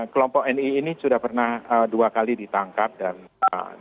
kelompok nii ini sudah pernah dua kali ditangkap dan ditaikkan dengan teroris